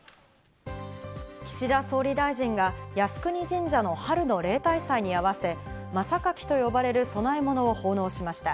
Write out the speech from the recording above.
岸田総理大臣が靖国神社の春の例大祭に合わせ、真榊と呼ばれる供え物を奉納しました。